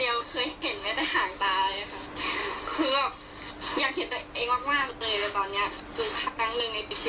แล้วขอบคุณมากค่ะสำหรับวันนี้